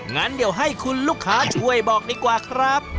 งั้นเดี๋ยวให้คุณลูกค้าช่วยบอกดีกว่าครับ